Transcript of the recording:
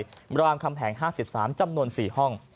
ระหว่างคำแห่ง๕๓จำนวน๔ห้อง